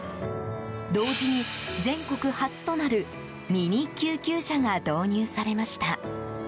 同時に全国初となるミニ救急車が導入されました。